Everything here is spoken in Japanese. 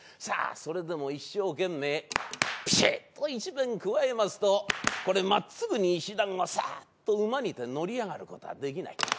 さぁそれでも一生懸命ピシッと一鞭加えますとこれまっすぐに石段はさっと馬にて乗り上がることはできない。